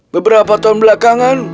beberapa tahun belakangan